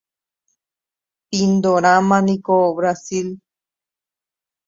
Pindorámaniko Brasil.